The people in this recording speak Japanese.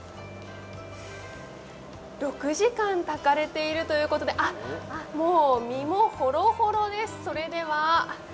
６時間炊かれているということで、もう身もほろほろです。